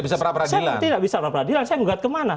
saya nggak bisa perapradilan saya menggugat kemana